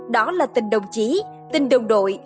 đó là tình đồng chí tình đồng đội